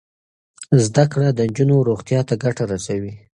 زده کړه د نجونو روغتیا ته ګټه رسوي.